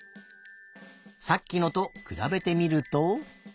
さっきのとくらべてみると。